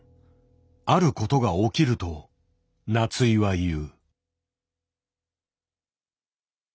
あることが起きると夏井は言う。